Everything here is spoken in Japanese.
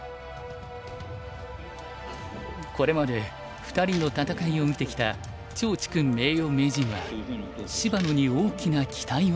これまで２人の戦いを見てきた趙治勲名誉名人は芝野に大きな期待を寄せている。